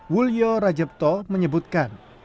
wulyo rajepto menyebutkan